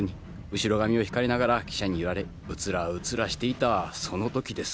後ろ髪を引かれながら汽車に揺られうつらうつらしていたその時です。